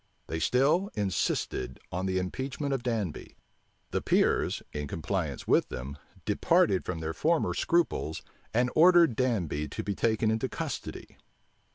They still insisted On the impeachment of Danby. The peers, in compliance with them, departed from their former scruples, and ordered Danby to be taken into custody.